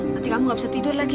nanti kamu gak bisa tidur lagi